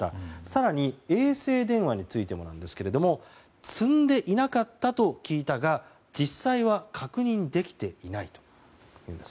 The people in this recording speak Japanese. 更に、衛星電話についてですが積んでいなかったと聞いたが実際は確認できていないと。